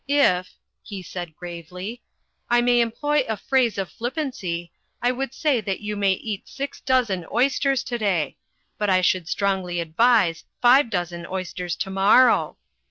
If," he said gravely, "I may employ a phrase of flippancy, I would say that you may eat six dozen oysters today, but I should strongly advise five dozen oysters tomorrow.